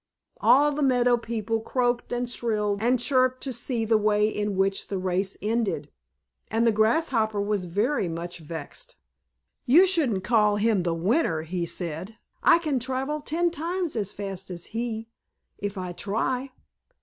All the meadow people croaked, and shrilled, and chirped to see the way in which the race ended, and the Grasshopper was very much vexed. "You shouldn't call him the winner," he said; "I can travel ten times as fast as he, if I try."